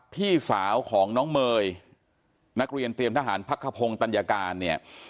พี่สาวของน้องเมย์นักเรียนเตรียมทหารพักขพงศ์ตัญญาการเนี่ย